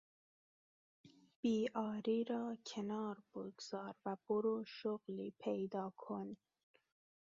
بیعاری را کنار بگذار و برو شغلی پیدا کن!